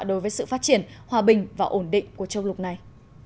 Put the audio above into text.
đối với sự phát triển hòa bình và ổn định của châu lục này